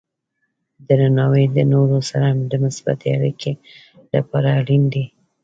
درناوی د نورو سره د مثبتې اړیکې لپاره اړین دی.